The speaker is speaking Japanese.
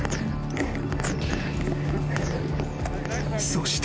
［そして］